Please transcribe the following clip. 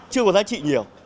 chưa có giá trị nhiều